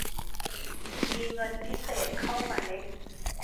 มีเงินพิเศษเข้ามาเล็ก